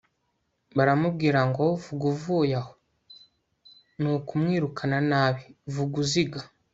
baramubwira, ngo «vuga uvuye aho». ni ukumwirukana nabi.vuga uziga